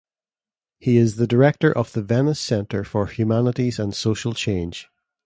He is the director of the Venice Center for Humanities and Social Change.